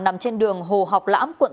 nằm trên đường hồ học lãm quận tám